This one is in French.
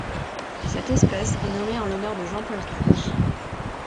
Cette espèce est nommée en l'honneur de Jean-Paul Karche.